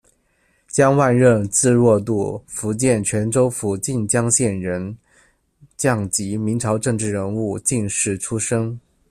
江万仞，字若度，福建泉州府晋江县人，匠籍，明朝政治人物、进士出身。